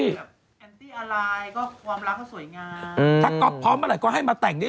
แอ้ยแออันติอะไรก็ความรักเค้าสวยงาน